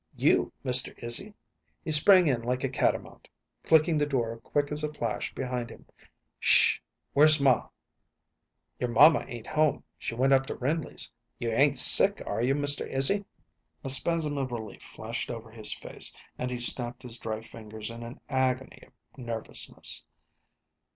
"You, Mr. Izzy!" He sprang in like a catamount, clicking the door quick as a flash behind him. "'Sh h h! Where's ma?" "Your mamma ain't home; she went up to Rindley's. You ain't sick, are you, Mr. Izzy?" A spasm of relief flashed over his face, and he snapped his dry fingers in an agony of nervousness.